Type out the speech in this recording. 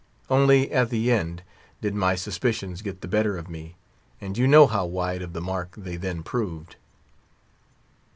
Only at the end did my suspicions get the better of me, and you know how wide of the mark they then proved."